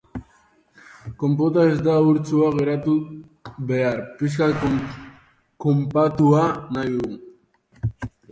Konpota ez da urtsua geratu behar, pixkat konpatua nahi dugu.